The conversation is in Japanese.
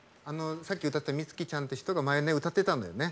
さっき歌った充希ちゃんって人が前ね歌ってたのよね。